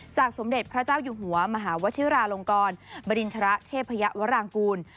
สมเด็จพระเจ้าอยู่หัวมหาวชิราลงกรบริณฑระเทพยวรางกูล